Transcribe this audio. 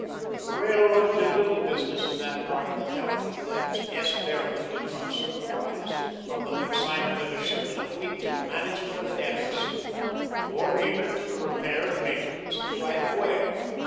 The railroad did little business in that part of the country that S. Behrman did not supervise, from the consignment of a shipment of wheat to the management of a damage suit, or even to the repair and maintenance of the right of way.